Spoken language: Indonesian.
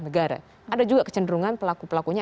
negara ada juga kecenderungan pelaku pelakunya